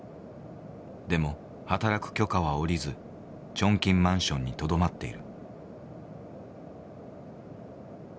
でも働く許可は下りずチョンキンマンションにとどまっている。